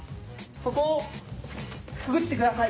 そこをくぐってください。